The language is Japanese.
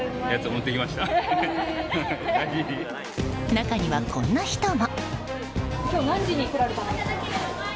中には、こんな人も。